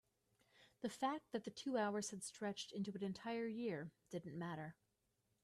the fact that the two hours had stretched into an entire year didn't matter.